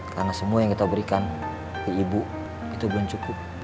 karena semua yang kita berikan ke ibu itu belum cukup